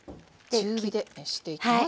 中火で熱していきます。